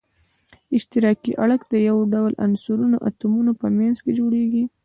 اشتراکي اړیکه د یو ډول عنصرونو اتومونو په منځ کې جوړیږی.